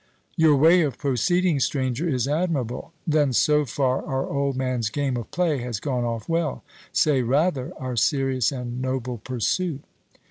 'Your way of proceeding, Stranger, is admirable.' Then so far our old man's game of play has gone off well. 'Say, rather, our serious and noble pursuit.'